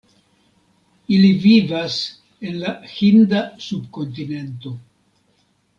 Ili vivas en la Hinda Subkontinento.